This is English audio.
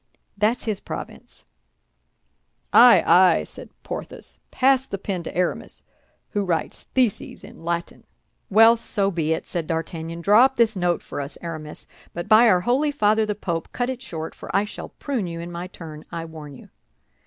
That's his province." "Ay, ay!" said Porthos; "pass the pen to Aramis, who writes theses in Latin." "Well, so be it," said D'Artagnan. "Draw up this note for us, Aramis; but by our Holy Father the Pope, cut it short, for I shall prune you in my turn, I warn you."